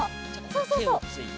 そうそうそう。